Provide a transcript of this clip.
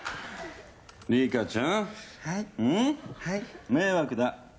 「リカちゃん？うん？」「迷惑だ」